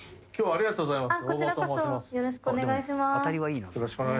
ありがとうございます。